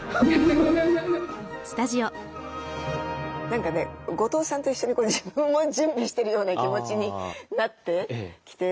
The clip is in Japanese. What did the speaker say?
何かね後藤さんと一緒に自分も準備してるような気持ちになってきて。